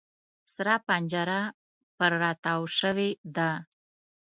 سره پنجره پر را تاو شوې ده.